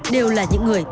đều là những người